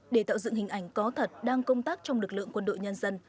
để tạo dựng hình ảnh có thật đang công tác trong lực lượng quân đội nhân dân